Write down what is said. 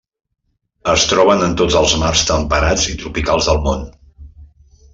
Es troben en tots els mars temperats i tropicals del món.